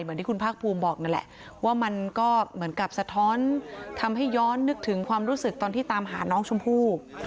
ที่คุณภาคภูมิบอกนั่นแหละว่ามันก็เหมือนกับสะท้อนทำให้ย้อนนึกถึงความรู้สึกตอนที่ตามหาน้องชมพู่